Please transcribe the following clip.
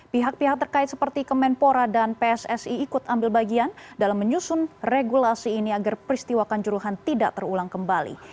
pihak pihak terkait seperti kemenpora dan pssi ikut ambil bagian dalam menyusun regulasi ini agar peristiwa kanjuruhan tidak terulang kembali